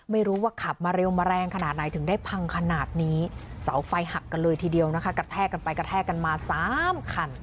ไม่รู้ว่าขับมาเร็วมาแรงขนาดไหนถึงได้พังขนาดนี้เสาไฟหักกันเลยทีเดียวนะคะกระแทกกันไปกระแทกกันมาสามคัน